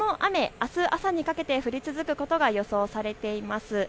さてこの雨、あす朝にかけて降り続くことが予想されています。